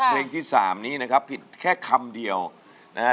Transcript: เพลงที่๓นี้นะครับผิดแค่คำเดียวนะฮะ